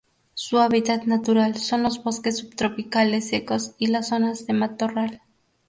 Su hábitat natural son los bosques subtropicales secos y las zonas de matorral.